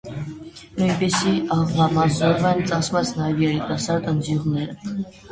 Նույնպիսի աղվամազով են ծածկված նաև երիտասարդ ընձյուղները։